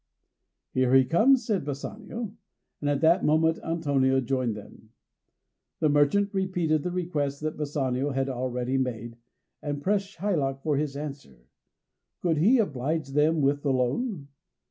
"Here he comes," said Bassanio; and at that moment Antonio joined them. The merchant repeated the request that Bassanio had already made, and pressed Shylock for his answer. Could he oblige them with the loan?